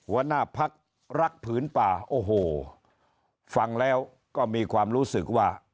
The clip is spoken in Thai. หัวหน้าพักรักผืนป่าโอ้โหฟังแล้วก็มีความรู้สึกว่า